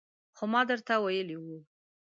خو ما درته ویلي وو